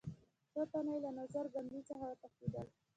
څو تنه یې له نظر بندۍ څخه وتښتېدل.